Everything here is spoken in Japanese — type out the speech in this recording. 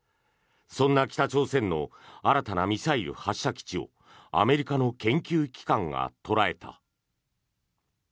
そんな北朝鮮の新たなミサイル発射基地をアメリカの研究機関が捉えた。